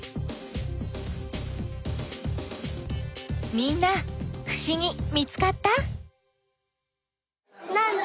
みんなふしぎ見つかった？